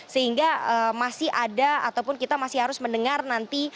sehingga masih ada ataupun kita masih harus mendengar nanti